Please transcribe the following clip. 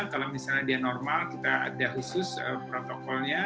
kalau misalnya dia normal kita ada khusus protokolnya